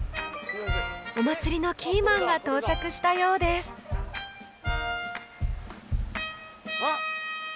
お祭りのキーマンが到着したようですああ